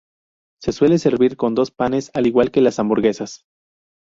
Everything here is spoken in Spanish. Se suele servir con dos panes al igual que las hamburguesas.